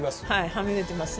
はみ出てますね。